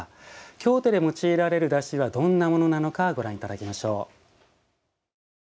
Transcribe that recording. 京都で用いられるだしはどんなものなのかご覧いただきましょう。